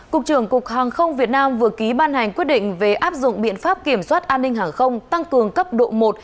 cục trưởng cục hàng không việt nam vừa ký ban hành quyết định về áp dụng biện pháp kiểm soát an ninh hàng không tăng cường cấp độ một